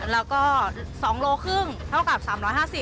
แล้วก็๒๕กิโลกรัมเท่ากับ๓๕๐บาท